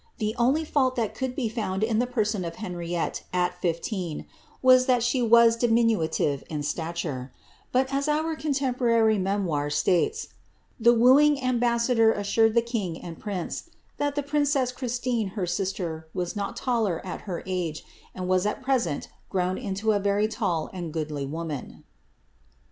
The only fiiult that could be found in the person of Henriette at fifteen, was, that she was diminutive in stature; but, as our contemporary memoir states, ^the wooing ambassador" assured the king and prince ^that the princess Christine, her sister, was not taller at her age, and was at present grown into a very tall and goodly lady."'